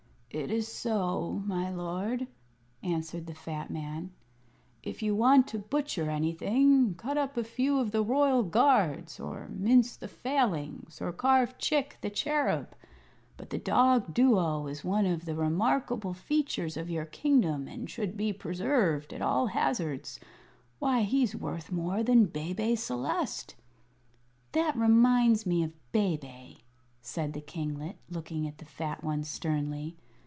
"It is so, my Lord," answered the fat man. "If you want to butcher anything, cut up a few of the Royal Guards, or mince the Failings, or carve Chick, the Cherub. But the dog Duo is one of the remarkable features of your kingdom, and should be preserved at all hazards. Why, he's worth more than Bebe Celeste." "That reminds me of Bebe," said the kinglet, looking at the fat one sternly.